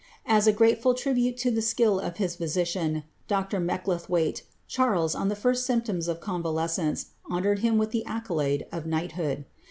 As a grateful tribute to the skill of his physician. Dr. j^Iicklethwaite, Charles, on the first symptoms of convalescence, honoured him witli the accolade of knight hocxi.